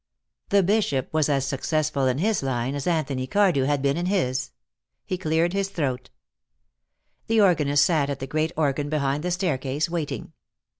The Bishop was as successful in his line as Anthony Cardew had been in his. He cleared his throat. The organist sat at the great organ behind the staircase, waiting.